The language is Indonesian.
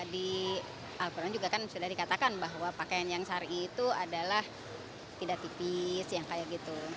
di al quran juga kan sudah dikatakan bahwa pakaian yang syari itu adalah tidak tipis yang kayak gitu